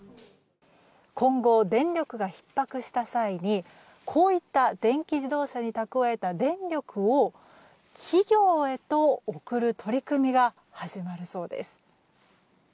今後、電力がひっ迫した際にこういった電気自動車に蓄えた電力を企業へと送る取り組みが始まりそうです。